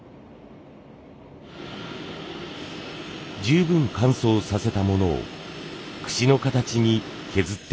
十分乾燥させたものを櫛の形に削っていきます。